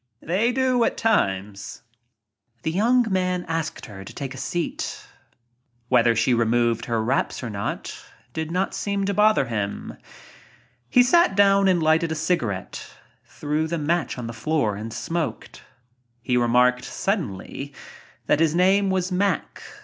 They do at times." The young man asked her to take a seat. Whether she removed her wraps or not did not seem to bother him. He sat down and lighted a cigarette, threw the match on the floor and smoked. He remarked suddenly that his name was Mack.